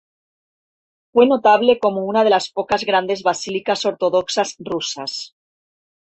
Fue notable como una de las pocas grandes basílicas ortodoxas rusas.